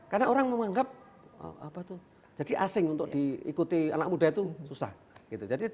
karena orang menganggap apa tuh jadi asing untuk diikuti anak muda itu susah gitu